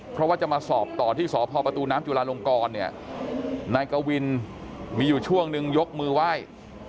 เพราะว่าจะมาสอบต่อที่สพประตูน้ำจุลาลงกรเนี่ยนายกวินมีอยู่ช่วงนึงยกมือไหว้